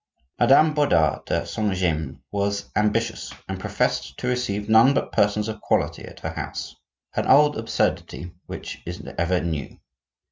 Madame Bodard de Saint James was ambitious, and professed to receive none but persons of quality at her house,—an old absurdity which is ever new.